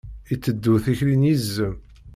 Iteddu tikli n yizem.